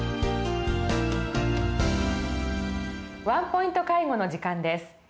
「ワンポイント介護」の時間です。